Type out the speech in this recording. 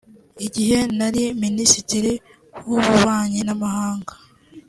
“Igihe nari Minisitiri w’Ububanyi n’Amahanga